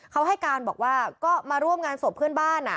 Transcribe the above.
เขาให้การบอกว่าก็มาร่วมงานศพเพื่อนบ้าน